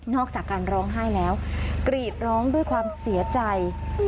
จากการร้องไห้แล้วกรีดร้องด้วยความเสียใจ